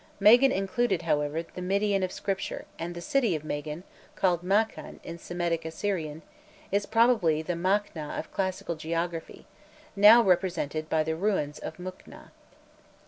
Magan included, however, the Midian of Scripture, and the city of Magan, called Makkan in Semitic Assyrian, is probably the Makna of classical geography, now represented by the ruins of Mukna.